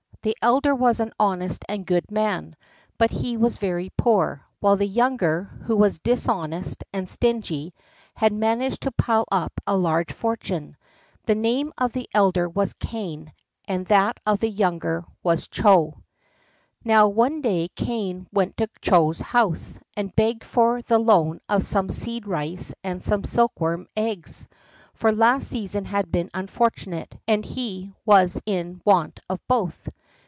The elder was an honest and good man, but he was very poor, while the younger, who was dishonest and stingy, had managed to pile up a large fortune. The name of the elder was Kané, and that of the younger was Chô. Now, one day Kané went to Chô's house, and begged for the loan of some seed rice and some silkworms' eggs, for last season had been unfortunate, and he was in want of both.